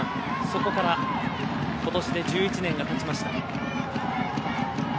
そこから今年で１１年が経ちました。